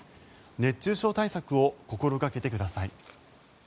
熱中症対策を心掛けてください。